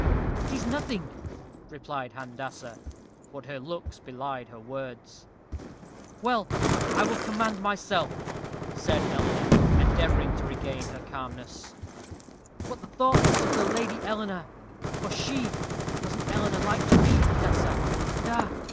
"'Tis nothing," replied Handassah. But her looks belied her words. "Well, I will command myself," said Eleanor, endeavoring to regain her calmness; "but the thoughts of the Lady Eleanor for she was an Eleanor like to me, Handassah and ah!